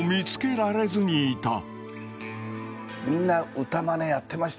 みんな歌マネやってました。